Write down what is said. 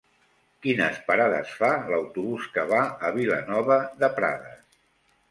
Quines parades fa l'autobús que va a Vilanova de Prades?